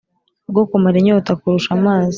Rwo kumara inyota kurusha amazi